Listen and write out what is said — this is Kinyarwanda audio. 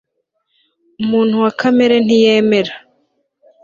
umuntu wa kamere ntiyemera